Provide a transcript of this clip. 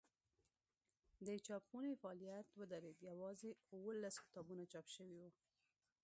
د چاپخونې فعالیت ودرېد یوازې اوولس کتابونه چاپ شوي وو.